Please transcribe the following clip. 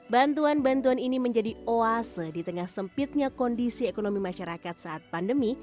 bantuan bantuan ini menjadi oase di tengah sempitnya kondisi ekonomi masyarakat saat pandemi